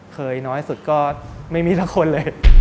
เคยน้อยสุดก็ไม่มีละคนเลย